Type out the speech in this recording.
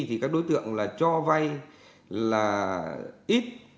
thì các đối tượng là cho vai là ít